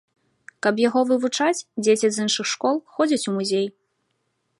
Каб яго вывучаць, дзеці з іншых школ ходзяць у музей.